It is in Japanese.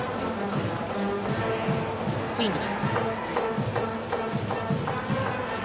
スイングです。